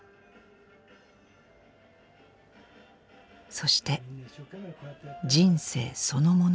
そして人生そのもの。